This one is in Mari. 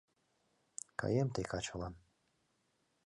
Каем ты качылан.